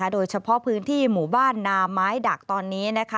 โดยเฉพาะพื้นที่หมู่บ้านนาไม้ดักตอนนี้